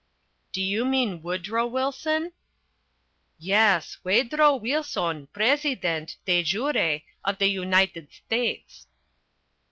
"Do you mean Woodrow Wilson?" "Yes, Huedro Huilson, president de jure of the United States."